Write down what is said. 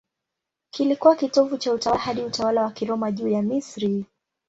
Kilikuwa kitovu cha utawala hadi utawala wa Kiroma juu ya Misri.